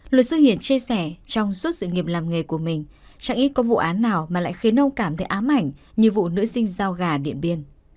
luật sư hiển chia sẻ trong suốt sự nghiệp làm nghề của mình chẳng ít có vụ án nào mà lại khiến ông cảm thấy ám ảnh như vụ nữ sinh giao gà điện biên